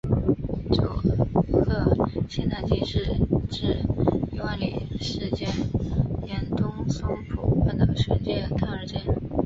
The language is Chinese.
佐贺县唐津市至伊万里市间沿东松浦半岛玄界滩而建。